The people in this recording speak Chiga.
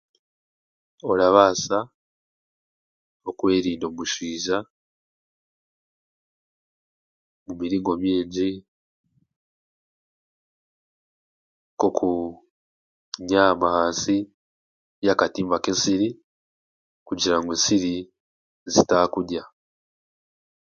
Orabaasa okwerinda omushwija mumiringo mingi nk'okunyama ahansi y'akatimba k'ensiri kugira ngu ensiri zitakurya.